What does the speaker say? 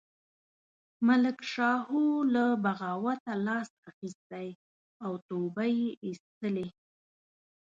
ملک شاهو له بغاوته لاس اخیستی او توبه یې ایستلې.